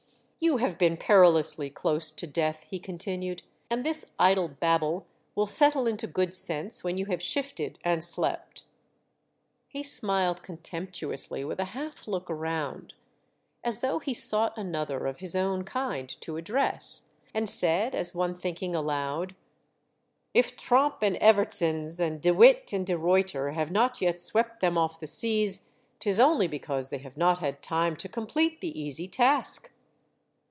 " You have been perilously close to death," he continued, "and this idle babble will settle into good sense when you have shifted and slept." He smiled con temptuously with a half look around, as though he soug ht another of his own kind to address, and said as one thinking aloud, "If Tromp and Evertzens and De Witt and De Ruyter have not yet swept them off the seas 'tis only because they have not had time to complete the easy task